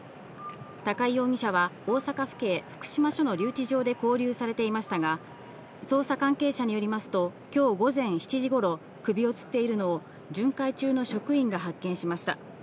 高井容疑者は大阪府警福島署の留置場で拘留されていましたが、捜査関係者によりますと今日午前７時頃、首をつっているのを巡回中の職員が発見しました。